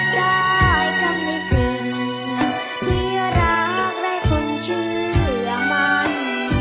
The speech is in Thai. ได้จำในสิ่งที่รักและคนเชื่อมัน